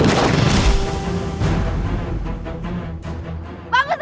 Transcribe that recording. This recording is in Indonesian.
dan menangkap kake guru